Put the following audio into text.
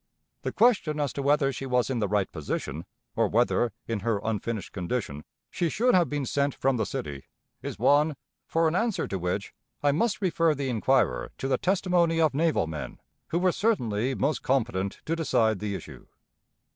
The question as to whether she was in the right position, or whether, in her unfinished condition, she should have been sent from the city, is one, for an answer to which I must refer the inquirer to the testimony of naval men, who were certainly most competent to decide the issue.